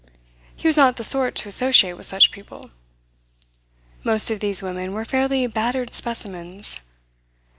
He was not the sort to associate with such people. Most of these women were fairly battered specimens.